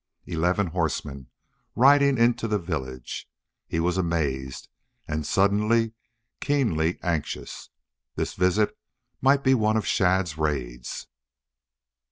Eleven horsemen riding into the village! He was amazed, and suddenly keenly anxious. This visit might be one of Shadd's raids.